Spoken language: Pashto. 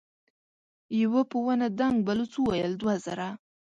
يوه په ونه دنګ بلوڅ وويل: دوه زره.